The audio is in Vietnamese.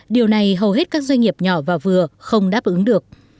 điều này hầu hết các doanh nghiệp nhỏ và vừa không đáp ứng được